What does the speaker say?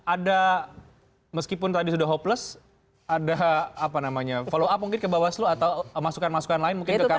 ada meskipun tadi sudah hopeless ada apa namanya follow up mungkin ke bawaslu atau masukan masukan lain mungkin ke kpu